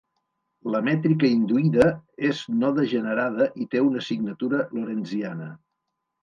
La mètrica induïda és no-degenerada i té una signatura Lorentziana.